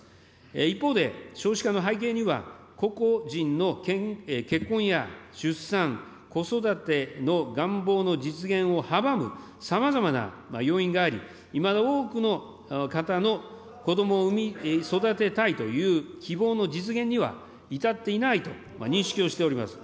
一方で、少子化の背景には、個々人の結婚や出産、子育ての願望の実現を阻むさまざまな要因があり、いまだ多くの方の、子どもを産み育てたいという希望の実現には至っていないと認識をしております。